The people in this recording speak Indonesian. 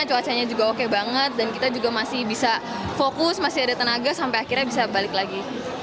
cuacanya juga oke banget dan kita juga masih bisa fokus masih ada tenaga sampai akhirnya bisa balik lagi